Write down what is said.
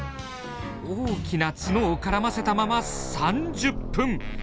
大きな角を絡ませたまま３０分。